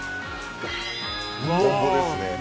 トンボですね。